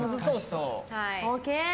ＯＫ！